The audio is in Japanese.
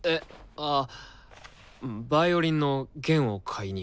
あヴァイオリンの弦を買いに。